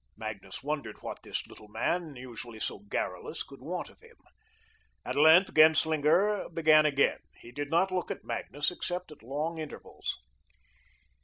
Magnus wondered what this little man, usually so garrulous, could want of him. At length, Genslinger began again. He did not look at Magnus, except at long intervals.